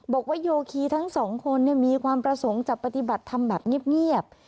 บอกว่าโยคีทั้งสองคนมีความประสงค์จะปฏิบัติธรรมแบบเงียบ